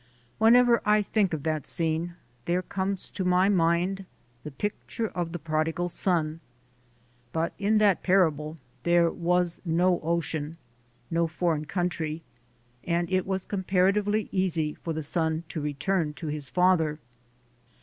Whenever I think of that scene, there comes to my mind the picture of the Prodigal Son. But in that parable there was no ocean, no foreign country, and it was comparatively easy for the son to return to his father.